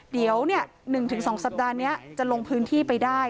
เดี๋ยว๑๒สัปดาห์นี้จะลงพื้นที่ไปได้